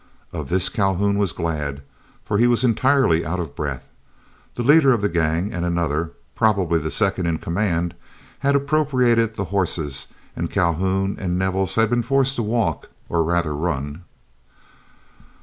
Of this Calhoun was glad, for he was entirely out of breath. The leader of the gang, and another, probably the second in command, had appropriated the horses, and Calhoun and Nevels had been forced to walk, or rather run.